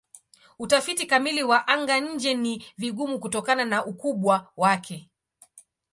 Utafiti kamili wa anga-nje ni vigumu kutokana na ukubwa wake.